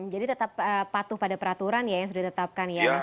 jadi tetap patuh pada peraturan ya yang sudah ditetapkan ya mas doni